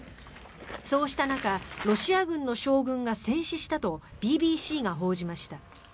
そうした中ロシア軍の将軍が戦死したとＢＢＣが報じました。